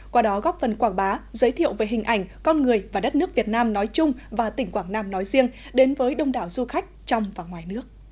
qua đó góp phần quảng bá giới thiệu về hình ảnh con người và đất nước việt nam nói chung và tỉnh quảng nam nói riêng đến với đông đảo du khách trong và ngoài nước